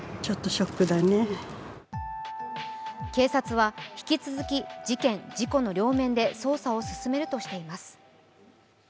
警察は引き続き、事件・事故の両面で調査を進めるとしています。